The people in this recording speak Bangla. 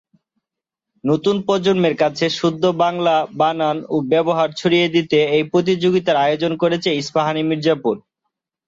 নতুন প্রজন্মের কাছে শুদ্ধ বাংলা, বানান ও ব্যবহার ছড়িয়ে দিতে এই প্রতিযোগিতার আয়োজন করেছে ইস্পাহানি মির্জাপুর।